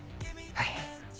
はい。